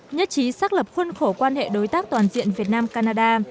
nhất trí xác lập khuôn khổ quan hệ đối tác toàn diện việt nam canada